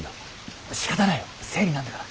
しかたないよ生理なんだから。